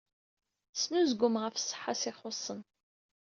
Snuzgumeɣ ɣef ṣṣeḥḥa-s ixuṣṣen.